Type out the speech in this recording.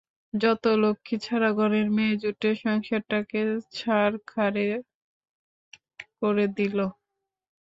যত লক্ষ্মীছাড়া ঘরের মেয়ে জুটে সংসারটাকে ছারখারে দিলে।